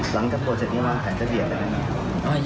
หลังกับโปรเจอร์นี้ว่าใครจะเบียดไปได้มั้ย